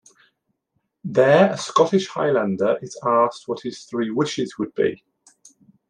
There, a Scottish highlander is asked what his three wishes would be.